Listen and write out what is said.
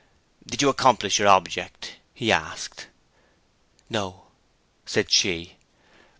'Did you accomplish your object?' he asked. 'No,' said she.